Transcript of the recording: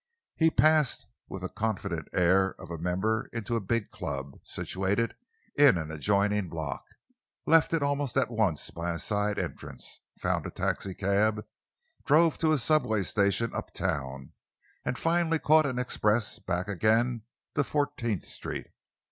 He passed with the confident air of a member into a big club situated in an adjoining block, left it almost at once by a side entrance, found a taxicab, drove to a subway station up town, and finally caught an express back again to Fourteenth Street.